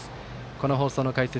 この放送の解説